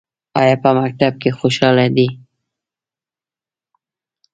ایا په مکتب کې خوشحاله دي؟